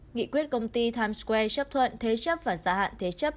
nghị quyết công ty times square chấp thuận thế chấp và gia hạn thế chấp